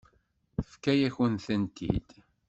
Tefka-yak-tent-id.